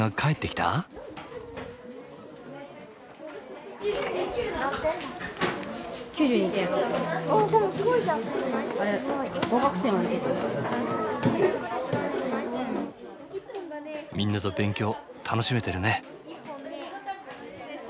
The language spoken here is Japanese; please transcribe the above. みんなと勉強楽しめてるね。